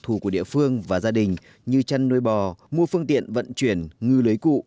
thù của địa phương và gia đình như chăn nuôi bò mua phương tiện vận chuyển ngư lưới cụ